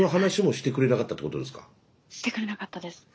してくれなかったです。